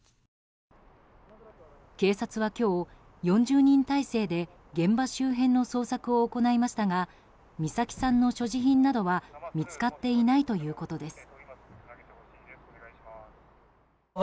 警察は今日、４０人態勢で現場周辺の捜索を行いましたが美咲さんの所持品などは見つかっていないということです。